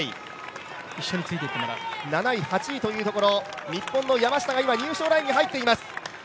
７位、８位というところ日本の山下が今、入賞ラインに入っています。